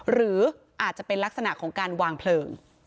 หรืออาจจะเป็นลักษณะของการวางเพลิง